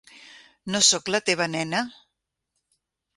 No sóc la teva nena?